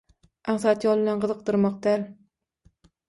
aňsat ýol bilen gyzykdyrmak däl